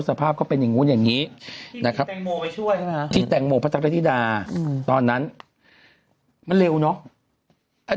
สภาพก็เป็นอย่างนู้นอย่างนี้นะครับที่แตงโมพระจักรธิดาตอนนั้นมันเร็วเนอะ